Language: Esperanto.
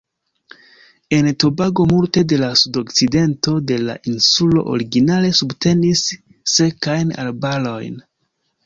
En Tobago multe de la sudokcidento de la insulo originale subtenis sekajn arbarojn.